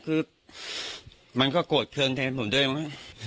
คือมันก็โกรธเครื่องในผมด้วยนะครับ